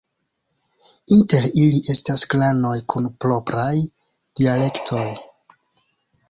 Inter ili estas klanoj kun propraj dialektoj.